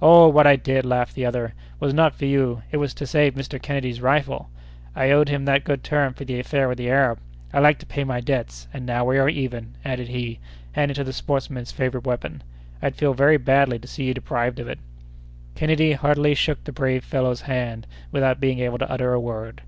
"Oh! what I did," laughed the other, "was not for you; it was to save Mr. Kennedy's rifle. I owed him that good turn for the affair with the Arab! I like to pay my debts, and now we are even," added he, handing to the sportsman his favorite weapon. "I'd feel very badly to see you deprived of it." Kennedy heartily shook the brave fellow's hand, without being able to utter a word.